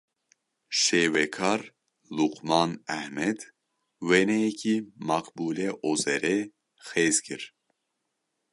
Şêwekar Luqman Ehmed wêneyekî Makbule Ozerê xêz kir.